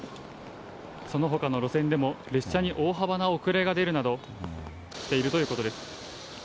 そのほかの路線でも列車に大幅な遅れが出るなどしているということです。